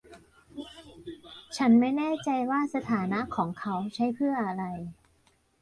ฉันไม่แน่ใจว่าสถานะของเขาใช้เพื่ออะไร